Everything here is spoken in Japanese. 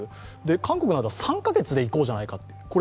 韓国なんかは３カ月でいこうじゃないかと。